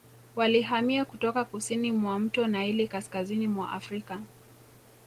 Walihamia kutoka kusini mwa mto Naili kaskazini mwa Afrika